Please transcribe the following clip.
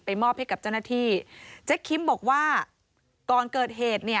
มอบให้กับเจ้าหน้าที่เจ๊คิมบอกว่าก่อนเกิดเหตุเนี่ย